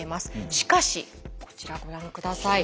しかしこちらご覧下さい。